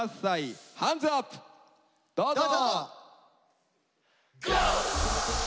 どうぞ。